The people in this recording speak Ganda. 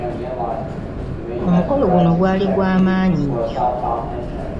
Omukolo guno gwali gwa maanyi nnyo.